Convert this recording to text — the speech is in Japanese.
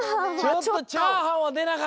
ちょっとチャーハンはでなかったね。